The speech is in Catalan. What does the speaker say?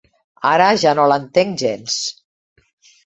Ara ja no l'entenc gens.